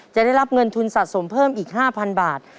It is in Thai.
จะได้รับเงินทุนสะสมเพิ่มอีก๕๐๐บาท